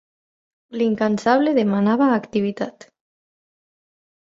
L'incansable demanava activitat.